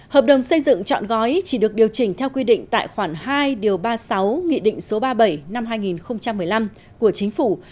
hợp đồng xây dựng chọn gói chỉ được điều chỉnh theo quy định tại khoản hai điều ba mươi sáu nghị định số ba mươi bảy năm hai nghìn một mươi năm của chính phủ